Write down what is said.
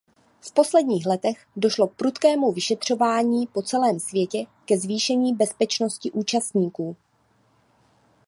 V posledních letech došlo k prudkému vyšetřování po celém světě ke zvýšení bezpečnosti účastníků.